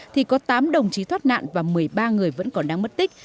thì có tám đồng chí thoát nạn và một mươi ba người vẫn còn đang mất tích